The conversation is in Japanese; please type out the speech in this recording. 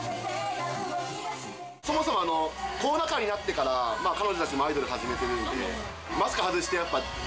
そもそも、コロナ禍になってから、彼女たちもアイドル始めてるんで、マスク外して、やっぱ、誰？